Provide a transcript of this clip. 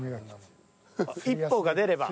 １歩が出れば。